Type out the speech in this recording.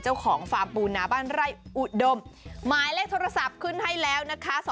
ฟาร์มปูนาบ้านไร่อุดมหมายเลขโทรศัพท์ขึ้นให้แล้วนะคะ